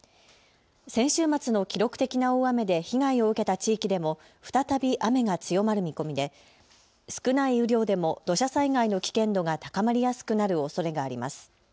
先週末の記録的な大雨で被害を受けた地域でも再び雨が強まる見込みで少ない雨量でも土砂災害の危険度が高まりやすくなるおそれがあります。